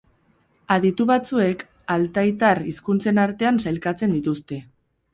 Aditu batzuek, altaitar hizkuntzen artean sailkatzen dituzte.